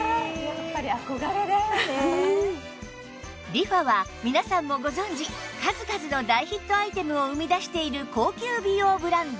ＲｅＦａ は皆さんもご存じ数々の大ヒットアイテムを生み出している高級美容ブランド